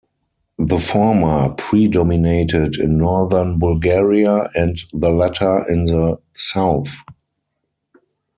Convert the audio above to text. The former predominated in northern Bulgaria and the latter in the south.